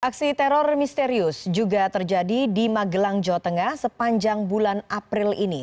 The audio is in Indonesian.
aksi teror misterius juga terjadi di magelang jawa tengah sepanjang bulan april ini